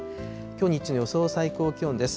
きょう日中の予想最高気温です。